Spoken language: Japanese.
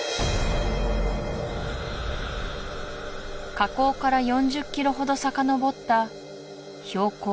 河口から４０キロほどさかのぼった標高